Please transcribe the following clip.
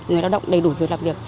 người lao động đầy đủ việc làm việc